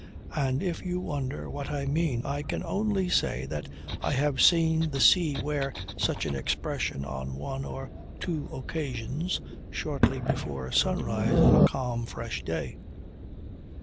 And if you wonder what I mean I can only say that I have seen the sea wear such an expression on one or two occasions shortly before sunrise on a calm, fresh day.